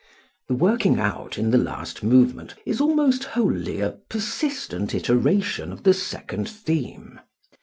The working out in the last movement is almost wholly a persistent iteration of the second theme.